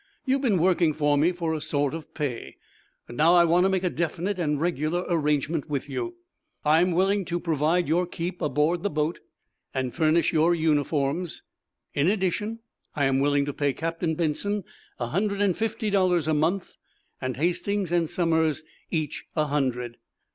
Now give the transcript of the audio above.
"You've been working for me for a sort of pay, but now I want to make a definite and regular arrangement with you. I'm willing to provide your keep aboard the boat, and furnish your uniforms. In addition, I am willing to pay Captain Benson a hundred and fifty dollars a month, and Hastings and Somers each a hundred."